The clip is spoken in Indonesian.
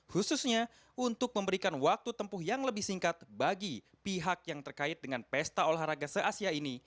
khususnya untuk memberikan waktu tempuh yang lebih singkat bagi pihak yang terkait dengan pesta olahraga se asia ini